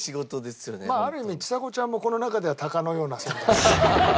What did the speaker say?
まあある意味ちさ子ちゃんもこの中では鷹のような存在。